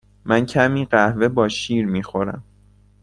من کمی قهوه با شیر می خورم.